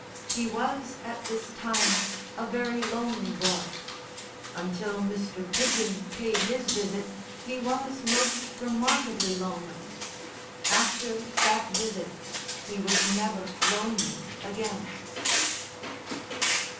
He was at this time a very lonely boy. Until Mr. Pidgen paid his visit he was most remarkably lonely. After that visit he was never lonely again.